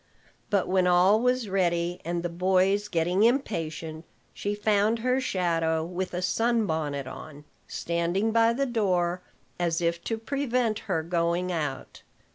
But when all was ready, and the boys getting impatient, she found her shadow, with a sun bonnet on, standing by the door, as if to prevent her going out.